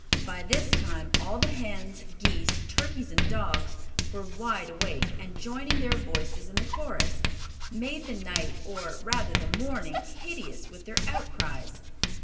By this time all the hens, geese, turkeys and dogs were wide awake and joining their voices in the chorus, made the night, or rather the morning, hideous with their outcries.